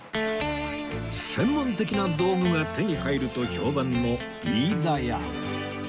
専門的な道具が手に入ると評判の飯田屋